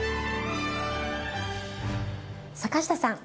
坂下さん。